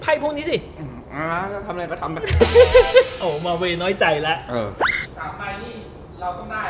๓ใบนี้เราก็ได้แล้วล่ะเพราะเดี๋ยวเต็มให้ดีแล้ว